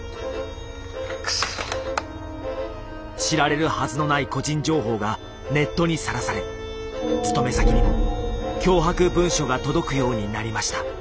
知られるはずのない個人情報がネットにさらされ勤め先にも脅迫文書が届くようになりました。